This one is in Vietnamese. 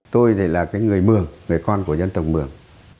tôi là người mường người con của dân tộc mường